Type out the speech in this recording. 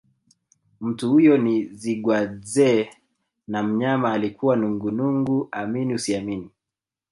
Mtu huyo ni Zigwadzee na mnyama alikuwa nungunungu amini usiamini